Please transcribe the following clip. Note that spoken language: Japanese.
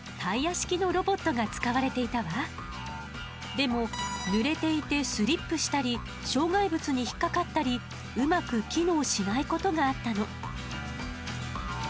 でもぬれていてスリップしたり障害物に引っ掛かったりうまく機能しないことがあったの。